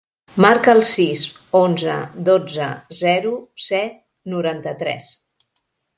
Marca el sis, onze, dotze, zero, set, noranta-tres.